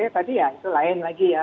tadi ya itu lain lagi ya